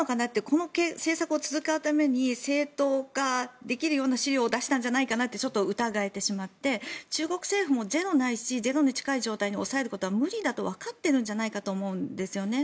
この政策を続けるために正当化できるような資料を出したんじゃないかなってちょっと疑えてしまって中国政府もゼロないしゼロに近い状態に抑えることは無理だとわかっているんじゃないかと思うんですよね。